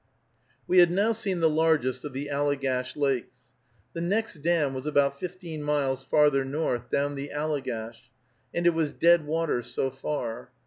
We had now seen the largest of the Allegash lakes. The next dam "was about fifteen miles" farther north, down the Allegash, and it was dead water so far.